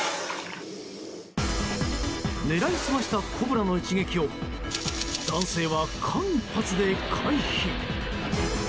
狙い澄ましたコブラの一撃を男性は間一髪で回避。